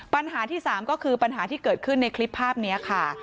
ปัญหาที่๓ก็คือปัญหาที่เกิดขึ้นในคลิปภาพนี้ค่ะ